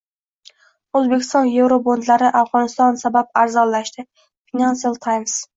O‘zbekiston yevrobondlari Afg‘oniston sabab arzonlashdi — Financial Times